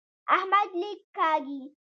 احمد لیک کاږي.